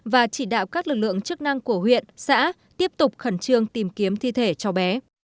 và chỉ đạo các lực lượng chức năng của huyện xã tiếp tục khẩn trương tìm kiếm thi thể cho bé